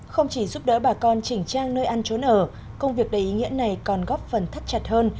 không chỉ giúp đỡ bà con chỉnh trang nơi ăn trốn ở công việc đầy ý nghĩa này còn góp phần thắt chặt hơn